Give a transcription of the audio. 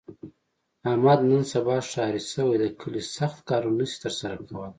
احمد نن سبا ښاري شوی، د کلي سخت کارونه نشي تر سره کولی.